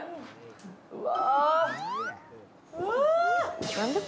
うわ！